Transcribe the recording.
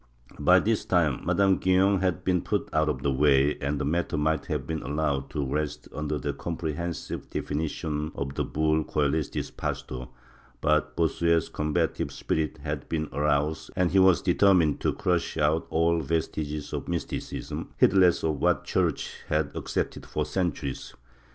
By this time Madame Guyon had been put out of the way, and the matter might have been allowed to rest under the comprehensive definitions of the bull Ccelestis pastor, but Bossuet' s combative spirit had been aroused and he was determined to crush out all vestiges of Mysticism, heedless of what the Church had accepted for centuries.